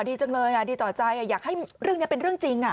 ดีจังเลยดีต่อใจอยากให้เรื่องนี้เป็นเรื่องจริง